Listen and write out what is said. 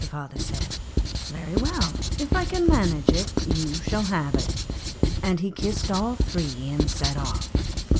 The father said, 'Very well, if I can manage it, you shall have it'; and he kissed all three and set off.